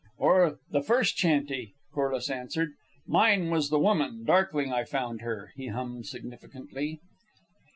'" "Or the 'First Chanty,'" Corliss answered. "'Mine was the woman, darkling I found her,'" he hummed, significantly.